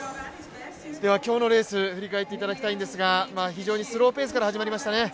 今日のレース振り返っていただきたいんですが、非常にスローペースから始まりましたね。